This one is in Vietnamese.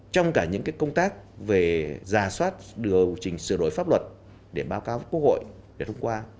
trong cả những công tác về giả soát điều chỉnh sửa đổi pháp luật để báo cáo quốc hội để thông qua